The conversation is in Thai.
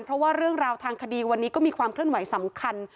เพราะว่าเรื่องราวทางคดีวันนี้ก็มีความเคลื่อนไหวสำคัญ